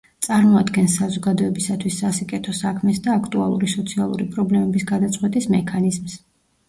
წარმოადგენს საზოგადოებისათვის სასიკეთო საქმეს და აქტუალური სოციალური პრობლემების გადაწყვეტის მექანიზმს.